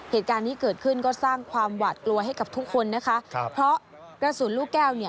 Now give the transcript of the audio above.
เหตุการณ์ที่เกิดขึ้นก็สร้างความหวาดกลัวให้กับทุกคนนะคะ